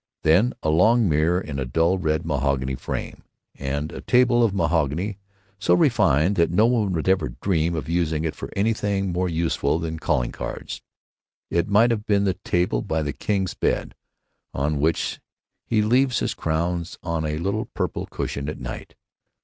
Then, a long mirror in a dull red mahogany frame, and a table of mahogany so refined that no one would ever dream of using it for anything more useful than calling cards. It might have been the table by the king's bed, on which he leaves his crown on a little purple cushion at night.